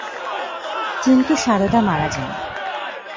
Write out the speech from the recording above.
কিন্তু সারদা মারা যান।